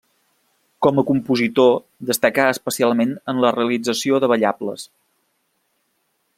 Com a compositor, destacà especialment en la realització de ballables.